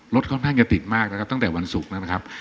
ค่อนข้างจะติดมากนะครับตั้งแต่วันศุกร์นะครับ